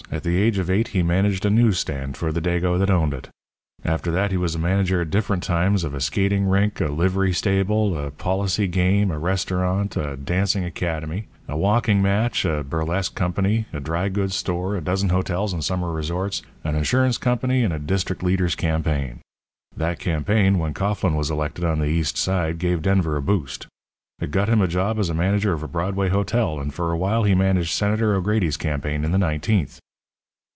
At the age of eight he managed a news stand for the Dago that owned it. After that he was manager at different times of a skating rink, a livery stable, a policy game, a restaurant, a dancing academy, a walking match, a burlesque company, a dry goods store, a dozen hotels and summer resorts, an insurance company, and a district leader's campaign. That campaign, when Coughlin was elected on the East Side, gave Denver a boost. It got him a job as manager of a Broadway hotel, and for a while he managed Senator O'Grady's campaign in the nineteenth.